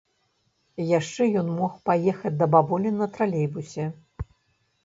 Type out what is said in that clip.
Яшчэ ён мог паехаць да бабулі на тралейбусе.